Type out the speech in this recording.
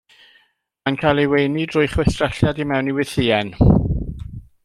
Mae'n cael ei weini drwy chwistrelliad i mewn i wythïen.